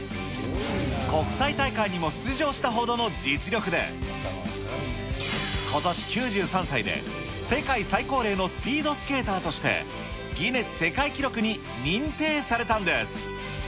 国際大会にも出場したほどの実力で、ことし９３歳で、世界最高齢のスピードスケーターとして、ギネス世界記録に認定されたんです。